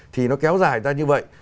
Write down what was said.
thì nó kéo dài ra như vậy